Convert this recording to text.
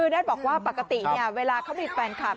ด้านบอกว่าปกติเวลาเขามีแฟนคลับ